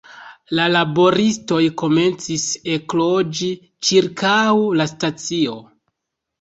La laboristoj komencis ekloĝi ĉirkaŭ la stacio.